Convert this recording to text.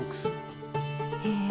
へえ！